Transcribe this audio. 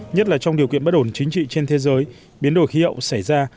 nhất là trong điều kiện bất ổn chính trị trên thế giới biến đổi khí hậu xảy ra